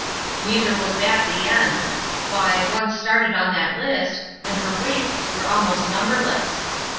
Neither was that the end. Why, once started on that list, and her wastes were almost numberless.